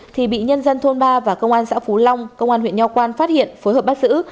thì bị nhân dân thôn ba và công an xã phú long công an huyện nho quan phát hiện phối hợp bắt giữ